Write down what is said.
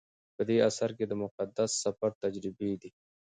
په دې اثر کې د مقدس سفر تجربې دي.